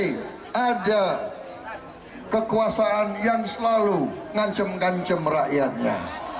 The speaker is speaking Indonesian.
tapi ada kekuasaan yang selalu ngancam ngancam rakyatnya